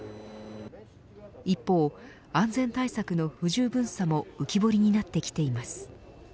一方、安全対策の不十分さも浮き彫りになってきています。